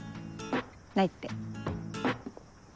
ないって。